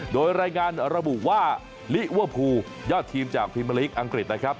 โดยรายงานระบุว่าลิเวอร์พูลยอดทีมจากพิมเมอร์ลีกอังกฤษนะครับ